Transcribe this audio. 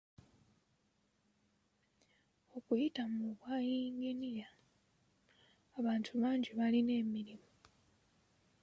Okuyita mu bwa yinginiya, abantu bangi balina emirimu.